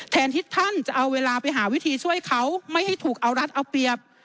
แทนที่ท่านจะเอาเวลาไปหาวิธีช่วยเขาไม่ให้ถูกเอารัฐเอาเปรียบ